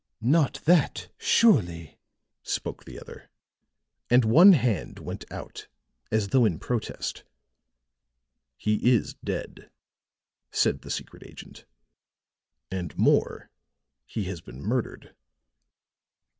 "Not that, surely!" spoke the other, and one hand went out, as though in protest. "He is dead," said the secret agent. "And more, he has been murdered."